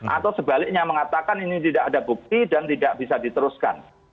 atau sebaliknya mengatakan ini tidak ada bukti dan tidak bisa diteruskan